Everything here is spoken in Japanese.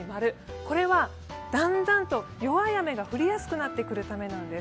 ○、これはだんだんと弱い雨が降りやすくなってくるためなんです。